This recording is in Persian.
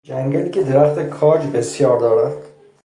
جنگلی که درخت کاج بسیار دارد